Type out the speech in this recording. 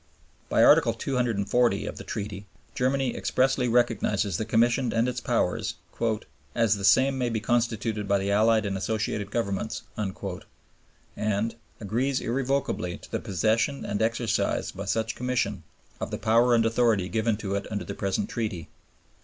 By Article 240 of the Treaty Germany expressly recognizes the Commission and its powers "as the same may be constituted by the Allied and Associated Governments," and "agrees irrevocably to the possession and exercise by such Commission of the power and authority given to it under the present Treaty."